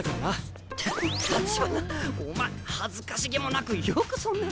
お前恥ずかしげもなくよくそんな。